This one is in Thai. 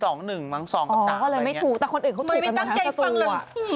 แต่คนอื่นเขาถูกประมาณศักดิ์ตัว